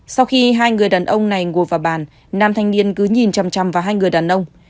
sau khi hai người đàn ông này ngồi vào bàn nam thanh niên cứ nhìn chầm chăm vào hai người đàn ông